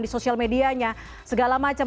di sosial medianya segala macam